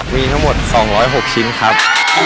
มีทั้งหมด๒๐๖ชิ้นครับ